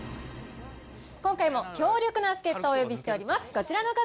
今回も強力な助っ人をお呼びしております。